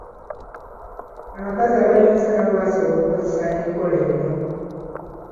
Abakazi abayonsa nabo basobola okukozesa enkola eno.